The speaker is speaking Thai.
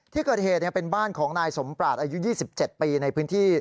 ที่เกิดเหตุเป็นบ้านของนายสมปราชอายุ๒๗ปีในพื้นที่